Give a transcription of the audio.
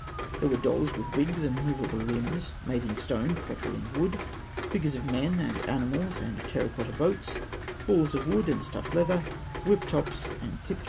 There were dolls with wigs and movable limbs, made in stone, pottery, and wood (fig. 256); figures of men, and animals, and terra cotta boats, balls of wood and stuffed leather, whip tops, and tip cats (fig.